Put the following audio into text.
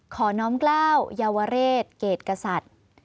น้อมกล้าวเยาวเรศเกรดกษัตริย์